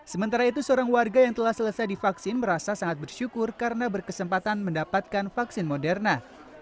sementara itu seorang warga yang telah selesai divaksin merasa sangat bersyukur karena berkesempatan mendapatkan vaksin moderna